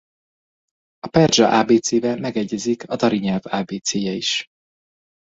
A perzsa ábécével megegyezik a dari nyelv ábécéje is.